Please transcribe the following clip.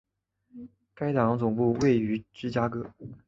该党的总部位于芝加哥。